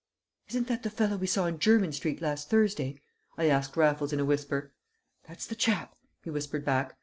"Isn't that the fellow we saw in Jermyn Street last Thursday?" I asked Raffles in a whisper. "That's the chap," he whispered back.